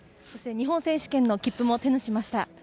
そして日本選手権の切符も手にしました。